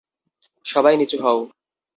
সবাই নিচু হও!